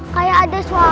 kayak ada suara